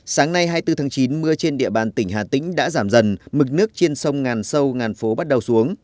sáng nay hai mươi bốn tháng chín mưa trên địa bàn tỉnh hà tĩnh đã giảm dần mực nước trên sông ngàn sâu ngàn phố bắt đầu xuống